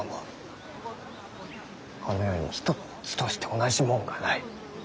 この世にひとっつとして同じもんがない。